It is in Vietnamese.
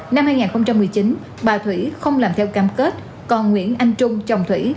năm hai nghìn một mươi chín bà thủy không làm theo cam kết còn nguyễn anh trung chồng thủy